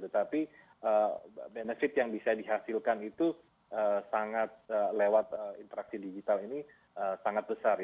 tetapi benefit yang bisa dihasilkan itu sangat lewat interaksi digital ini sangat besar ya